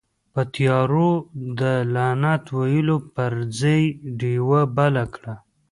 په تيارو ده لعنت ويلو پر ځئ، ډيوه بله کړه.